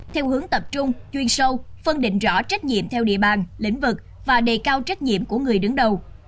theo hướng tập trung chuyên sâu phân định rõ trách nhiệm theo địa bàn lĩnh vực và đề cao trách nhiệm của người đứng đầu